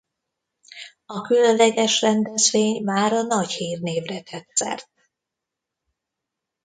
A különleges rendezvény mára nagy hírnévre tett szert.